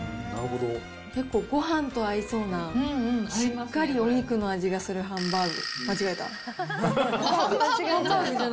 結構、ごはんと合いそうな、しっかりお肉の味がするハンバーグ。